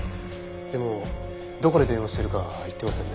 でもどこで電話してるか言ってませんね。